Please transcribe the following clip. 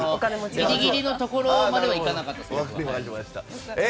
ギリギリのところまではいかなかったです。